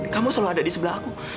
kamu selalu ada di sebelah aku